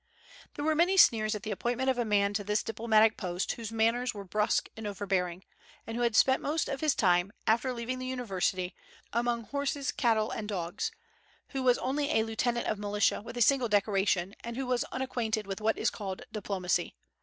There were many sneers at the appointment of a man to this diplomatic post whose manners were brusque and overbearing, and who had spent the most of his time, after leaving the university, among horses, cattle, and dogs; who was only a lieutenant of militia, with a single decoration, and who was unacquainted with what is called diplomacy.